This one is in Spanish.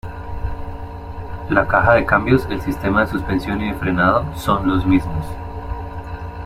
La caja de cambios, el sistema de suspensión y de frenado son los mismos.